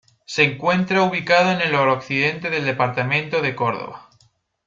Se encuentra ubicado en el noroccidente del departamento de Córdoba.